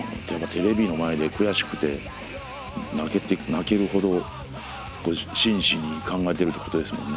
テレビの前で悔しくて泣けて泣けるほど真摯に考えてるってことですもんね。